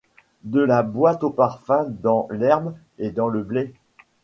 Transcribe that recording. De la boîte aux parfums dans l’herbe et dans le blé ?